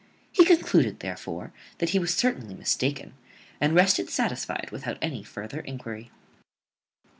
He concluded, therefore, that he was certainly mistaken, and rested satisfied without any further enquiry.